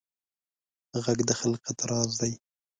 غږ د خلقت راز دی